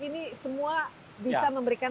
ini semua bisa memberikan